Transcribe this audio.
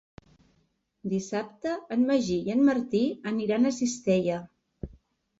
Dissabte en Magí i en Martí aniran a Cistella.